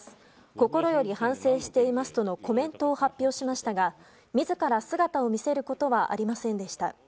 心より反省していますとのコメントを発表しましたが自ら姿を見せることはありませんでした。